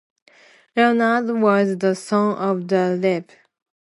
Leonard was the son of the Rev.